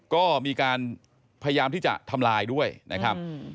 ก็มีการพยายามที่จะทำลายด้วยนะครับ